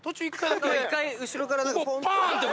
１回後ろからポンッて。